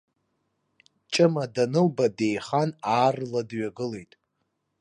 Ҷыма данылба деихан аарла дҩагылеит.